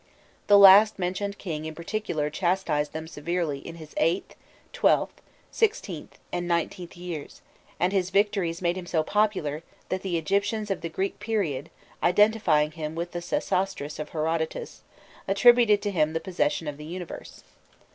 The last mentioned king in particular chastised them severely in his VIIIth, XIIth, XVIth, and XIXth years, and his victories made him so popular, that the Egyptians of the Greek period, identifying him with the Sesostris of Herodotus, attributed to him the possession of the universe.